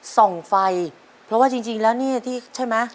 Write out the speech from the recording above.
ส่องไฟเพราะว่าจริงแล้วนี่ที่ใช่ไหม